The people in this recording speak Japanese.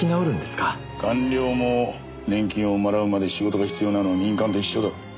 官僚も年金をもらうまで仕事が必要なのは民間と一緒だ。